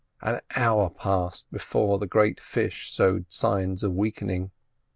An hour passed before the great fish showed signs of weakening.